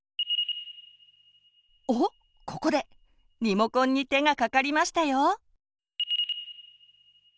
ここでリモコンに手がかかりましたよ。